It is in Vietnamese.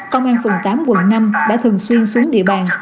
công an phường tám quận năm đã thường xuyên xuống địa bàn